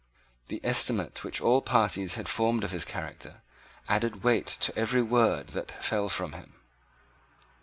The estimate which all parties had formed of his character, added weight to every word that fell from him.